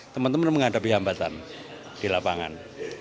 teman teman menghadapi hambatan di lapangan